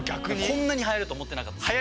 こんなにはやると思ってなかったんで。